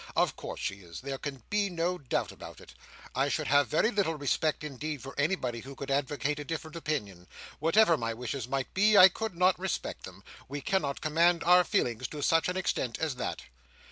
Of course she is. There can be no doubt about it. I should have very little respect, indeed, for anybody who could advocate a different opinion. Whatever my wishes might be, I could not respect them. We cannot command our feelings to such an extent as that."